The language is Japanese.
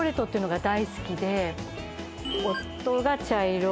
夫が茶色。